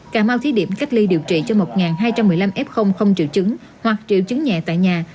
cà mau thí điểm cách ly điều trị cho một hai trăm một mươi năm f không triệu chứng hoặc triệu chứng nhẹ tại nhà